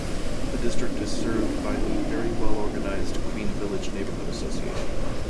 The district is served by the very well-organized Queen Village Neighborhood Association.